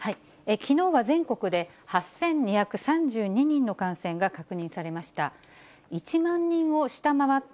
きのうは全国で８２３２人の感染が確認されました。